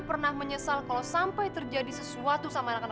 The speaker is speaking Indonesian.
percaya pada saya mas